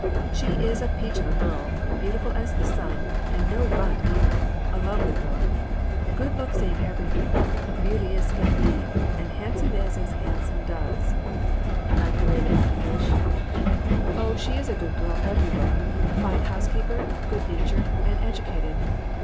"She is a peach of a girl, beautiful as the sun, and no runt, either; a lovely girl." "Good looks aren't everything. Beauty is skin deep, and handsome is as handsome does," I paraded my English "Oh, she is a good girl every way: a fine housekeeper, good natured, and educated.